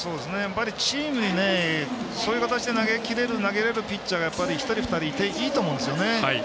チームにそういう形で投げきれるピッチャーが１人、２人いていいと思うんですよね。